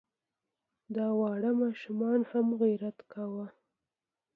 د واړه ماشوم هم عزت کوه.